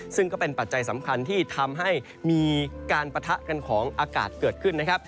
ซึ่งก็เป็นปัจจัยสำคัญที่ทำให้มีการปะทะกันของอากาศเกิดขึ้นนะครับ